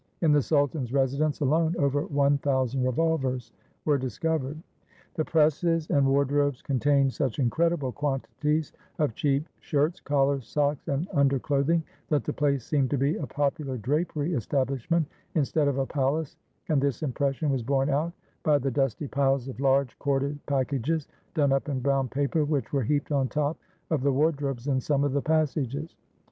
In the sultan's residence alone over one thousand revolvers were discovered. The presses and wardrobes contained such incredible quantities of cheap shirts, collars, socks, and under clothing that the place seemed to be a popular drapery establishment instead of a palace, and this impression was borne out by the dusty piles of large corded pack ages done up in brown paper which were heaped on top of the wardrobes in some of the passages.